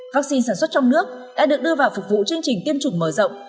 vắc xin sản xuất trong nước đã được đưa vào phục vụ chương trình tiêm chủng mở rộng